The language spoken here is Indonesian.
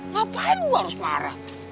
ngapain gua harus marah